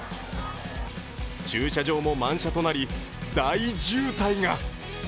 駐車場も満車となり、大渋滞が。